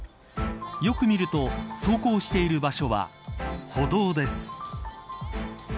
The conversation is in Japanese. よく見ると走行している場所は歩道です。